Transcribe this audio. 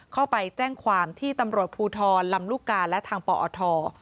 เข้าไปแจ้งความที่ตำรวจภูทรลำลูกกาและทางปอท